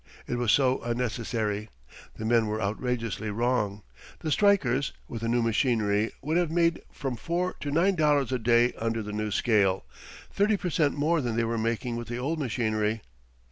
It was so unnecessary. The men were outrageously wrong. The strikers, with the new machinery, would have made from four to nine dollars a day under the new scale thirty per cent more than they were making with the old machinery.